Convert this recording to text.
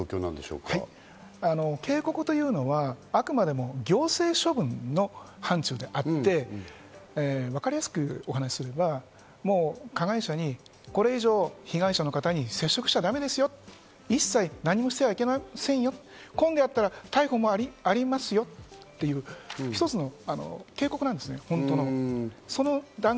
警告というのはあくまでも行政処分の範ちゅうであって、わかりやすくお話すれば、もう加害者に、これ以上、被害者の方に接触しちゃだめですよ、一切何もしちゃいけませんよ、今度やったら逮捕もありますよという一つの警告なんですね。